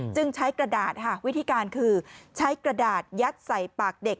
จึงใช้กระดาษวิธีการคือใช้กระดาษยัดใส่ปากเด็ก